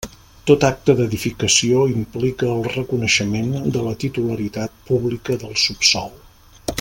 Tot acte d'edificació implica el reconeixement de la titularitat pública del subsòl.